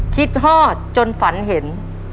ฮอดจนฝันเห็น